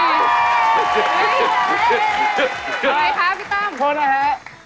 อะไรครับพี่ตั้มโทษนะฮะ